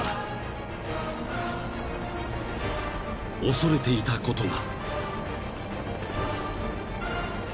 ［恐れていたことが］